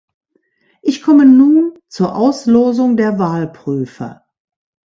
Ich komme nun zur Auslosung der Wahlprüfer.